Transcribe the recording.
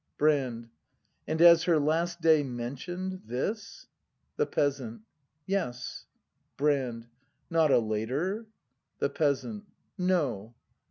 Brand. And as her last day mentioned — t his? The Peasant. Yes. Brand. Not a later ? The Peasant. No.